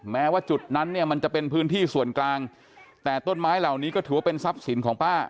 แม้ว่าจุดนั้นเนี่ยมันจะเป็นพื้นที่ส่วนกลางแต่ต้นไม้เหล่านี้ก็ถือว่าเป็นทรัพย์สินของป้า